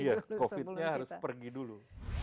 iya covid nya harus pergi dulu